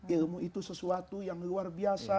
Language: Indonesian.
ilmu itu sesuatu yang luar biasa